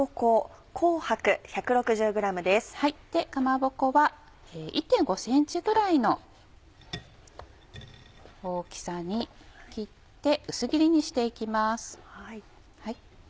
かまぼこは１．５ｃｍぐらいの大きさに切って薄切りにして行きます。